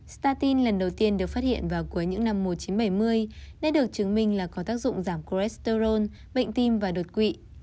startin lần đầu tiên được phát hiện vào cuối những năm một nghìn chín trăm bảy mươi đây được chứng minh là có tác dụng giảm cholesterol bệnh tim và đột quỵ